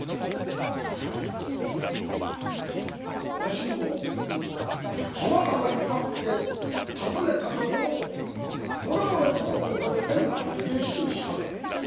「いやわしも浜川に会って尋ねたところこれこれこうこうで縁あって弟子にしたという」。